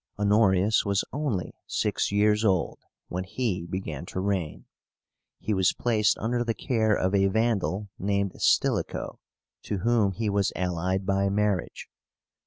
Honorius was only six years old when he began to reign. He was placed under the care of a Vandal named STILICHO, to whom he was allied by marriage.